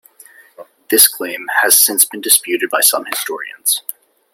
This claim has since been disputed by some historians.